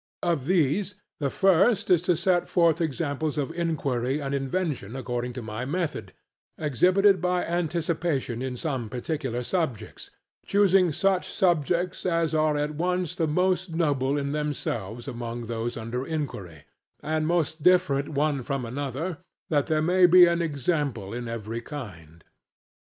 Of these the first is to set forth examples of inquiry and invention according to my method, exhibited by anticipation in some particular subjects; choosing such subjects as are at once the most noble in themselves among those under inquiry, and most different one from another; that there may be an example in every kind.